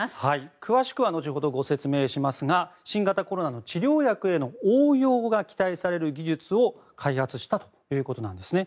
詳しくは後ほど、ご説明しますが新型コロナの治療薬への応用が期待される技術を開発したということなんですね。